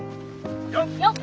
よっ！